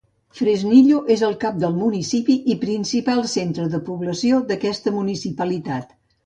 Fresnillo és el cap de municipi i principal centre de població d'aquesta municipalitat.